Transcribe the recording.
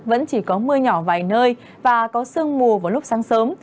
vẫn chỉ có mưa nhỏ vài nơi và có sương mù vào lúc sáng sớm